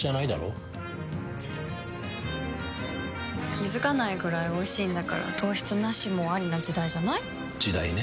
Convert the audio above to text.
気付かないくらいおいしいんだから糖質ナシもアリな時代じゃない？時代ね。